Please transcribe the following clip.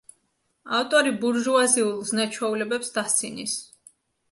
ავტორი ბურჟუაზიულ ზნე-ჩვეულებებს დასცინის.